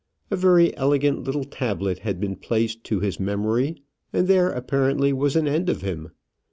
A very elegant little tablet had been placed to his memory; and there apparently was an end of him.